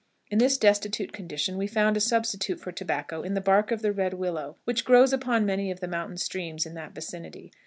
In this destitute condition we found a substitute for tobacco in the bark of the red willow, which grows upon many of the mountain streams in that vicinity.